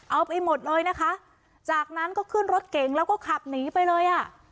เอาไปหมดเลยนะคะจากนั้นก็ขึ้นรถเก๋งแล้วก็ขับหนีไปเลยอ่ะ